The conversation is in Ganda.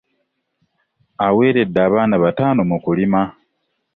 Aweredde abaana bataano mu kulima.